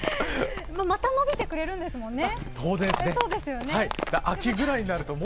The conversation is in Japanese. また伸びてくれるんですもんね。